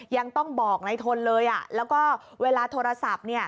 ยังต้องบอกนายทนเลยแล้วก็เวลาโทรศัพท์